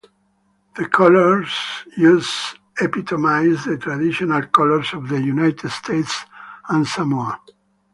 The colors used epitomize the traditional colors of the United States and Samoa.